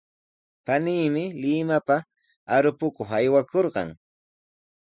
Paniimi Limapa arupakuq aywakurqan.